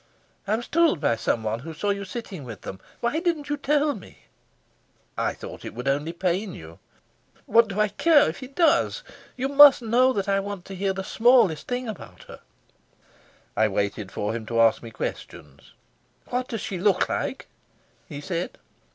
"I was told by someone who saw you sitting with them. Why didn't you tell me?" "I thought it would only pain you." "What do I care if it does? You must know that I want to hear the smallest thing about her." I waited for him to ask me questions. "What does she look like?" he said.